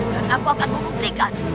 dan aku akan membuktikan